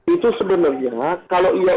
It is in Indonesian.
itu sebenarnya kalau ia